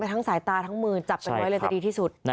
ทั้งสายตาทั้งมือจับกันไว้เลยจะดีที่สุด